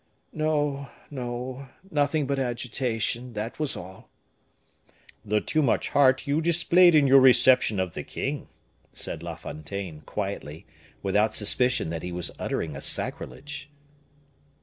"No, no; nothing but agitation, that was all." "The too much heart you displayed in your reception of the king," said La Fontaine, quietly, without suspicion that he was uttering a sacrilege.